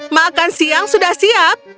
makan siang sudah siap